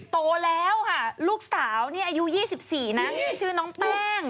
โตแล้วค่ะลูกสาวนี่อายุ๒๔นะชื่อน้องแป้ง